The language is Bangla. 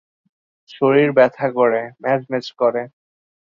শরীর ব্যথা করে, ম্যাজম্যাজ করে।